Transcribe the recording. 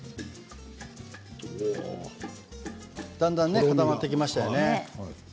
だんだん固まってきましたよね。